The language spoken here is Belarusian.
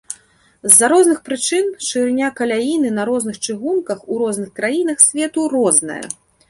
З-за розных прычын шырыня каляіны на розных чыгунках у розных краінах свету розная.